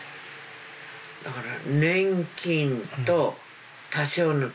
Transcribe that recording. だから。